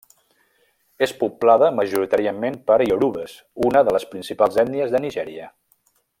És poblada majoritàriament per iorubes, una de les principals ètnies de Nigèria.